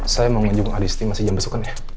saya mau mengunjung adisti masih jam besok kan ya